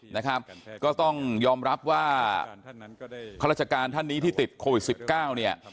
นะครับก็ต้องยอมรับว่าข้าราชการท่านนี้ที่ติดโควิด๑๙เนี่ย